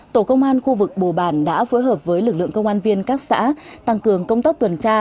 tổ công an khu vực bồ bản đã phối hợp với lực lượng công an viên các xã tăng cường công tác tuần tra